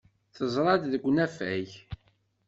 Teẓra-t deg unafag.